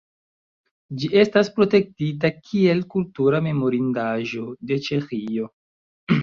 Ĝi estas protektita kiel kultura memorindaĵo de Ĉeĥio.